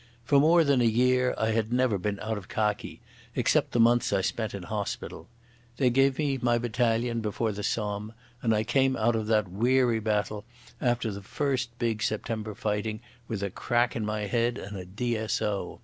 For more than a year I had never been out of khaki, except the months I spent in hospital. They gave me my battalion before the Somme, and I came out of that weary battle after the first big September fighting with a crack in my head and a D.S.O.